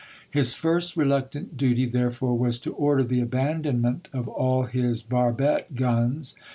His first reluctant duty, chap. m. therefore, was to order the abandonment of all his barbette guns.